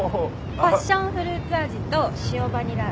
パッションフルーツ味と塩バニラ味。